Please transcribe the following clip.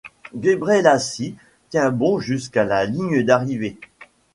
Ghebreslassie tient bon jusqu'à la ligne d'arrivée.